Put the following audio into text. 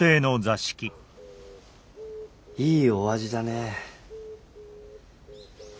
いいお味だねえ。